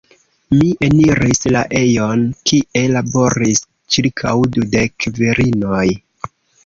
Mi eniris la ejon, kie laboris ĉirkaŭ dudek virinoj.